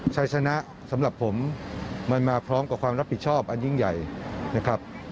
ชัยชนะสำหรับผมมันมาพร้อมกับความรับผิดชอบอันยิ่งใหญ่นะครับ